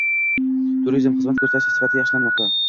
Turizm: xizmat ko‘rsatish sifati yaxshilanmoqda